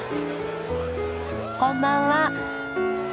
こんばんは。